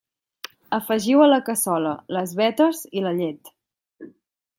Afegiu a la cassola les vetes i la llet.